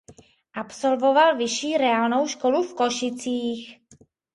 Absolvoval vyšší reálnou školu v Košicích.